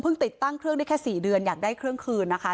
ติดตั้งเครื่องได้แค่๔เดือนอยากได้เครื่องคืนนะคะ